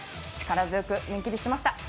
力強く湯切りしました。